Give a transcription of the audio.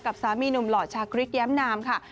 สามีหนุ่มหล่อชาคริสแย้มนามค่ะ